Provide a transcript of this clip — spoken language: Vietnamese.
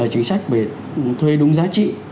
chính sách về thuê đúng giá trị